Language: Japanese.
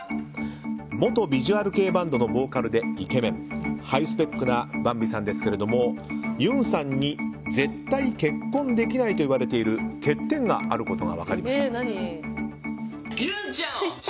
元ビジュアル系バンドのボーカルでイケメン、ハイスペックなヴァンビさんですけどもゆんさんに絶対結婚できないといわれている欠点があることが分かりました。